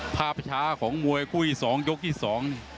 ภาพความช้าของมวยครู้ยกที่สอง